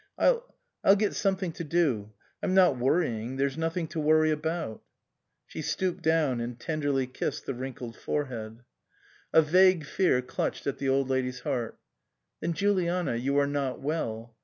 I'll I'll get something to do. I'm not worrying. There's nothing to worry about." She stooped down and tenderly kissed the wrinkled forehead. 326 CAUTLEY SENDS IN HIS BILL A vague fear clutched at the Old Lady's heart. "Then, Juliana, you are not well.